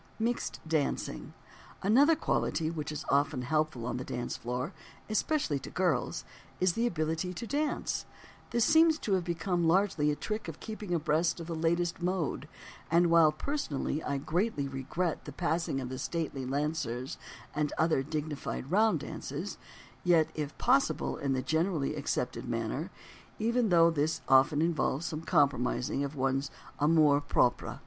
_ MIXED DANCING Another quality which is often helpful on the dance floor, especially to girls, is the ability to dance. This seems to have become largely a trick of keeping abreast of the latest "mode" and while, personally, I greatly regret the passing of the stately lancers and other dignified "round dances," yet, if "mixed dancing" has come to stay, it is the duty of every young person to learn to dance as well as possible in the generally accepted manner, even though this often involves some compromising of one's amour propre.